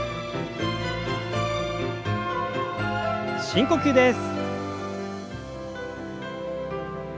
深呼吸です。